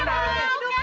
pernah jauh jauh ya